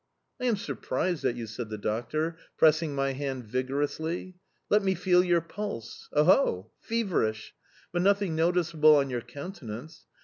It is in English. "I am surprised at you," said the doctor, pressing my hand vigorously. "Let me feel your pulse!... Oho! Feverish!... But nothing noticeable on your countenance...